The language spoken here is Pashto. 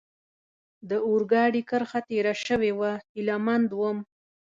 د اورګاډي کرښه تېره شوې وه، هیله مند ووم.